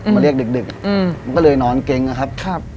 มาเรียกดึกมันก็เลยนอนเก๊งนะครับ